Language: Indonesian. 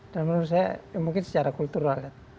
dan menurut saya mungkin secara kultural ya